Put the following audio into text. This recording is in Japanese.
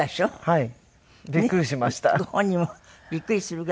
はい。